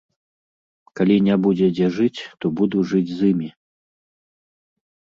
Калі не будзе дзе жыць, то буду жыць з імі.